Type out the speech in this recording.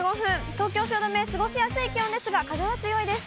東京・汐留、過ごしやすい気温ですが、風は強いです。